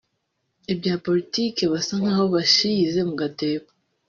ibya Politics basa nkaho bashiyize mu gatebo